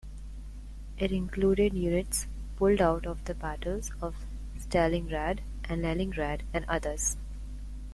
It included units pulled out of the battles of Stalingrad and Leningrad and others.